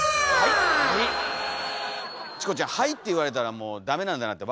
チコちゃん「はい！」って言われたらもうダメなんだなって分かっちゃう。